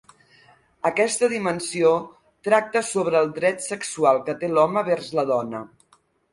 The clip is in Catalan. Aquesta dimensió tracta sobre el dret sexual que té l'home vers la dona.